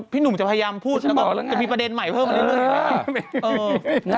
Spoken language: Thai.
พี่หนุ่มจะพยายามพูดจะมีประเด็นใหม่เพิ่มมานิดหนึ่ง